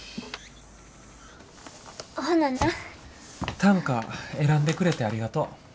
短歌選んでくれてありがとう。